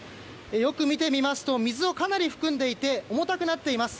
よく見てみますと水をかなり含んでいて重たくなっています。